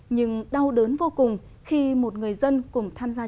nhưng đau đớn vô cùng khi một người dân cùng tham gia